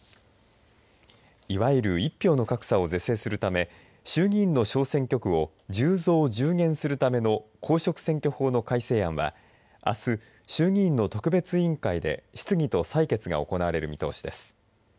いわゆる一票の格差を是正するため衆議院の小選挙区を１０増１０減するための公職選挙法の改正案はあす、衆議院の特別委員会で質疑と採決が行われる見通しです。